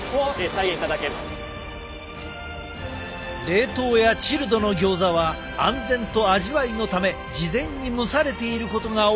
冷凍やチルドのギョーザは安全と味わいのため事前に蒸されていることが多く。